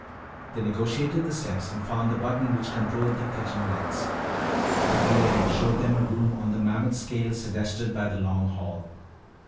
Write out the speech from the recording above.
They negotiated the steps and found the button which controlled the kitchen lights. The glare showed them a room on the mammoth scale suggested by the Long Hall.